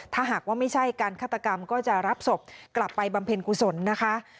ถ้าหากว่าไม่ใช่การฆาตกรรมก็จะรับศพกลับไปบำเพ็ญกุศลนะคะ